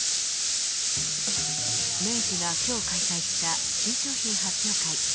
明治が今日開催した新商品発表会